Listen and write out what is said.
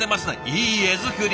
いい絵作り。